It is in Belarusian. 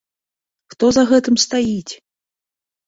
Хто за гэтым стаіць?